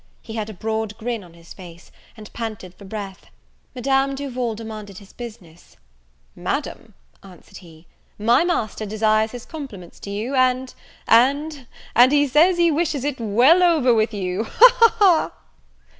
He had a broad grin on his face, and panted for breath. Madame Duval demanded his business: "Madam," answered he, "my master desires his compliments to you, and and and he says he wishes it well over with you. He! he!